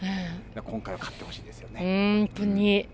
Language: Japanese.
今回は勝ってほしいですね。